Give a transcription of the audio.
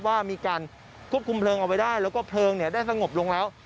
ว่ามีการควบคุมเพลิงเอาไว้ได้แล้วก็เพลิงได้สงบลงแล้ว